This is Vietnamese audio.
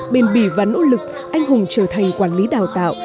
bền bỉ và nỗ lực anh hùng trở thành quản lý đào tạo